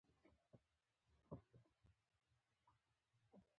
بدلېدو دی.